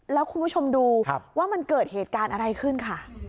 แล้วคุณผู้ชมดูว่ามันเกิดเหตุการณ์อะไรขึ้นค่ะ